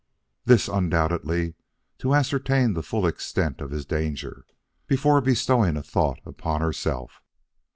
"'This, undoubtedly, to ascertain the full extent of his danger, before bestowing a thought upon herself.